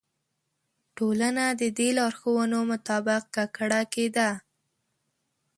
ټولنه د دې لارښوونو مطابق ککړه کېده.